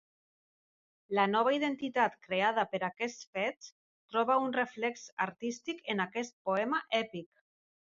La nova identitat creada per aquests fets troba un reflex artístic en aquest poema èpic.